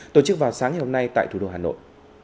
tổ chức vào sáng ngày hôm nay tại thủ đô hà nội